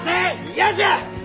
嫌じゃ！